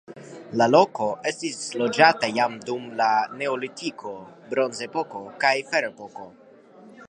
La loko estis loĝata jam dum la neolitiko, bronzepoko kaj ferepoko.